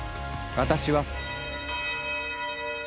私は。